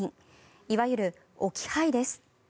いわゆる置き配です。